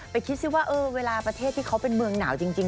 คิดสิว่าเวลาประเทศที่เขาเป็นเมืองหนาวจริง